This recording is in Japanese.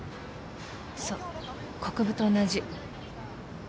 そう国府と同じ。